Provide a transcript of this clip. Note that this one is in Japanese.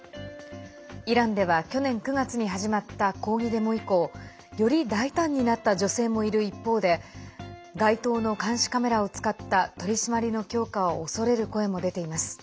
イランでは去年９月に始まった抗議デモ以降より大胆になった女性もいる一方で街頭の監視カメラを使った取り締まりの強化を恐れる声も出ています。